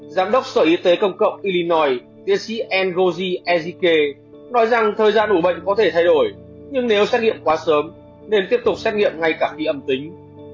giám đốc sở y tế công cộng ilinoi tiến sĩ engoji egy nói rằng thời gian ủ bệnh có thể thay đổi nhưng nếu xét nghiệm quá sớm nên tiếp tục xét nghiệm ngay cả khi âm tính